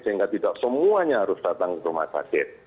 sehingga tidak semuanya harus datang ke rumah sakit